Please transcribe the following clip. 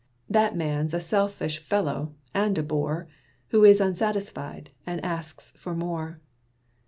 That man's a selfish fellow, and a bore, Who is unsatisfied, and asks for more."